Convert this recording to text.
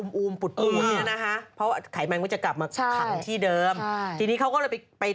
มันเข้าไปเองค่ะถอดเสื้อแล้วปัง